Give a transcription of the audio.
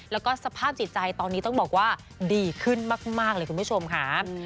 แล้วก็สภาพจิตใจตอนนี้ต้องบอกว่าดีขึ้นมากเลยคุณผู้ชมค่ะ